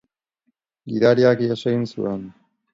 Gidariak ihes egin zuen.